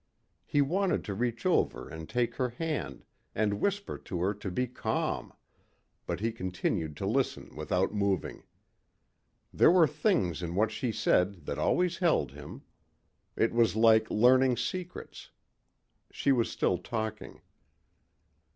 He wanted to reach over and take her hand and whisper to her to be calm, but he continued to listen without moving. There were things in what she said that always held him. It was like learning secrets. She was still talking.